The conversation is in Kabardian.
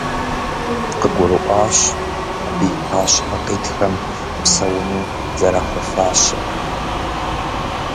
КъыгурыӀуащ абы и пащхьэ къитхэм псэуну зэрахуэфащэр.